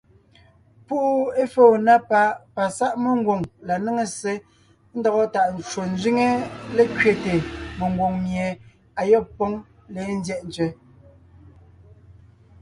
Púʼu éfóo na páʼ pasáʼ mengwòŋ la néŋe ssé ńdɔgɔ tàʼ ncwò ńzẅíŋe lékẅéte mengwòŋ mie ayɔ́b póŋ léen ńzyɛ́ʼ ntsẅɛ́.